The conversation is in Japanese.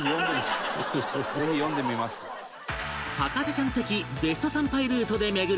博士ちゃん的ベスト参拝ルートで巡る